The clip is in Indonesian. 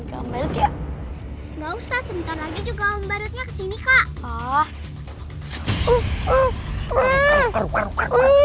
kembali juga enggak usah sebentar lagi juga om badutnya kesini kak